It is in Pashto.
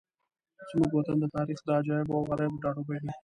زموږ وطن د تاریخ د عجایبو او غرایبو ټاټوبی دی.